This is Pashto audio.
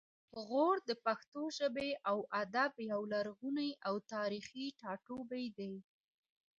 غور د پښتو ژبې او ادب یو لرغونی او تاریخي ټاټوبی دی